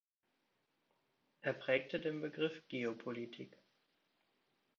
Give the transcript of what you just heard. Er prägte den Begriff Geopolitik.